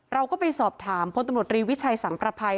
เราก็ไปสอบถามพลตำรวจรีวิชัยสังประภัย